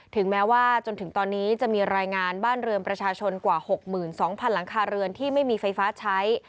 ถึงแม้ว่าจนถึงตอนนี้จะมีรายงานบ้านเรือนประชาชนกว่า๖๒๐๐๐หลังคาเรือนที่ไม่มีไฟฟ้าใช้